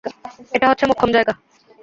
এটা হচ্ছে মোক্ষম জায়গা।